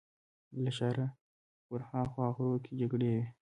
له ښاره ورهاخوا غرو کې جګړې وې.